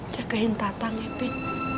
jagain tatang ya pin